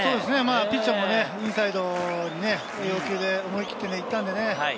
ピッチャーもインサイドに思い切っていったんでね。